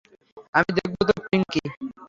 আমি দেখবো তো, পিনকি।